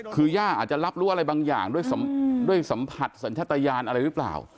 คือย่าอาจจะรับรู้อะไรบางอย่างด้วยสัมผัสสัญชาติยานอะไรหรือเปล่า